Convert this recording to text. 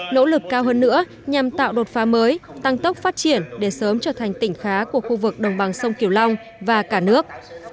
nỗ lực cao hơn nữa nhằm tạo đột phá mới tăng tốc phát triển để sớm trở thành tỉnh khá của khu vực đồng bằng sông kiều long và cả nước